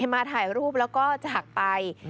มาถ่ายรูปแล้วก็จะหักไป